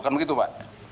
kan begitu pak